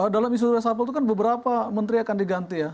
dalam isu resapel itu kan beberapa menteri akan diganti ya